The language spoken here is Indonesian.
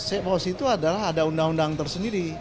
safe house itu adalah ada undang undang tersendiri